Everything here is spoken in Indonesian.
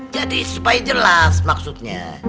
jadi supaya jelas maksudnya